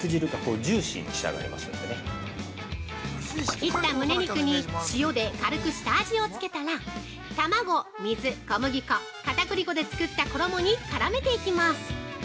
◆切った胸肉に塩で軽く下味をつけたら卵、水、小麦粉、片栗粉で作った衣に絡めていきます。